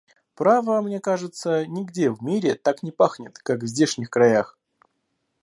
Право, мне кажется, нигде в мире так не пахнет, как в здешних краях!